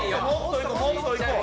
もっといこう！